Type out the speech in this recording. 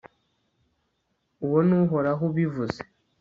uwo ni uhoraho ubivuze